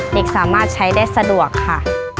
เด็กสามารถใช้ได้สะดวกค่ะ